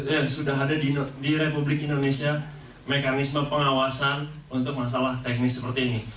ya sudah ada di republik indonesia mekanisme pengawasan untuk masalah teknis seperti ini